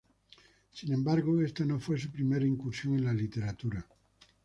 Sin embargo, esta no fue su primera incursión en la literatura.